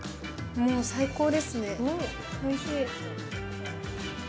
もう最高ですね、おいしい。